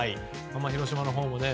広島のほうもね